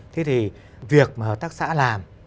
thế thì việc mà hợp tác xã làm